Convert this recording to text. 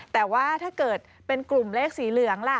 แต่ว่าถ้าเกิดเป็นกลุ่มเลขสีเหลืองล่ะ